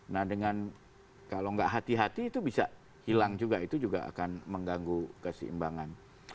nah dengan kalau nggak hati hati itu bisa hilang juga itu juga akan mengganggu keseimbangan